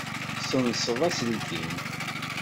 Tessenseḍ aselkim.